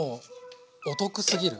お得すぎる。